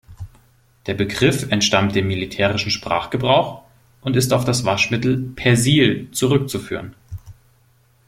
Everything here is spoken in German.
Der Begriff entstammt dem militärischen Sprachgebrauch und ist auf das Waschmittel "Persil" zurückzuführen.